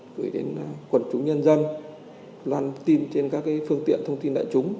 gửi đến quần chúng nhân dân loan tin trên các phương tiện thông tin đại chúng